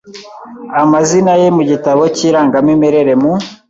amazina ye mu gitabo cy irangamimerere mu